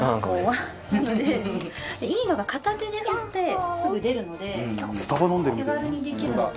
なのでいいのが片手で振ってすぐ出るので気軽にできるのと。